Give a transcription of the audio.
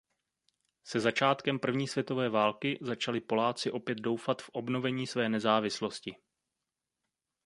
Se začátkem první světové války začali Poláci opět doufat v obnovení své nezávislosti.